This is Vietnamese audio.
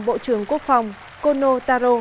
bộ trưởng quốc phòng kono taro